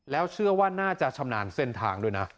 แล้วเชื่อว่าน่าจะชำนาญเส้นทางด้วยนะ